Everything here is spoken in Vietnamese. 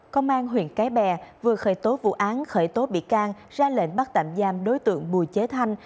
công an huyện cái bè vừa khởi tố vụ án khởi tố bị can ra lệnh bắt tạm giam đối tượng bùi chế thanh